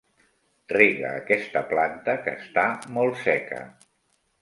Rega aquesta planta, que està molt seca.